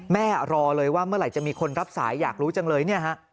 รอเลยว่าเมื่อไหร่จะมีคนรับสายอยากรู้จังเลยเนี่ยฮะ